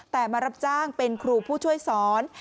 แต่มารับจ้างเป็นครูผู้ช่วยสอน